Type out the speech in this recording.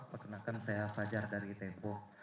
perkenalkan saya fajar dari tempo